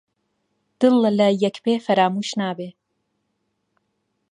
دڵ لە لای یەک بێ فەرامۆش نابێ